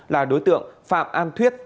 là đối tượng phạm an thuyết